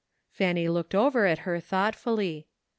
Fanny looked over at her thoughtfully.